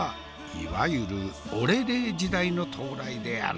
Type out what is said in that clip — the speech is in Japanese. いわゆるオレレー時代の到来である。